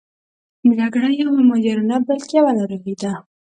جګړه یوه ماجرا نه بلکې یوه ناروغي ده.